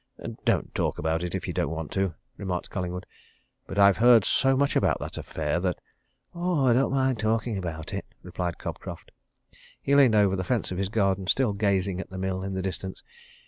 "Don't talk about it if you don't want to," remarked Collingwood. "But I've heard so much about that affair that " "Oh, I don't mind talking about it," replied Cobcroft. He leaned over the fence of his garden, still gazing at the mill in the distance.